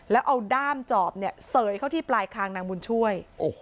แล้วเอาด้ามจอบเนี่ยเสยเข้าที่ปลายคางนางบุญช่วย